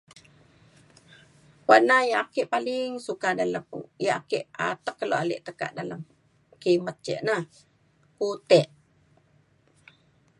warna ya' ake paling suka dalem ya' ake atek keluk alik tekak dalem kimet ke' ne, putik.